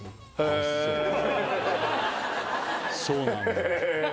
そうなんだへえ